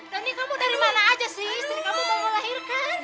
dan ini kamu dari mana aja sih istri kamu mau melahirkan